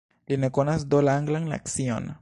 Li ne konas do la Anglan nacion.